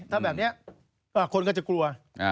ถ้าแบบนี้คนก็จะกลัว